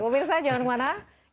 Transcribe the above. umin sya jangan kemana mana